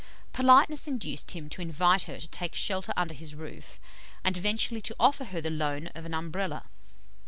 Politeness induced him to invite her to take shelter under his roof, and eventually to offer her the loan of an Umbrella.